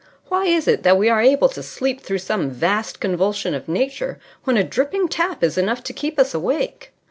Why is it that we are able to sleep through some vast convulsion of Nature when a dripping tap is enough to keep us awake?